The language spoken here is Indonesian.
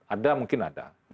ada mungkin ada